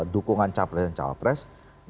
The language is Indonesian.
dukungan capres dan capres